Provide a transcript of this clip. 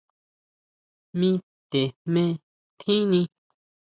Mi te jme tjini.